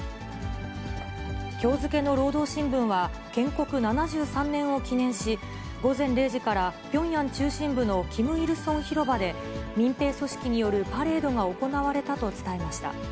きょう付けの労働新聞は、建国７３年を記念し、午前０時から、ピョンヤン中心部のキム・イルソン広場で、民兵組織によるパレードが行われたと伝えました。